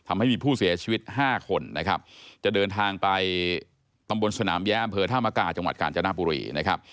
ทำให้มีผู้เสียชีวิต๕คนนะครับจะเดินทางไปตำบลสนามแย้อำเภอธามกาจังหวัดกาญจนบุรีนะครับ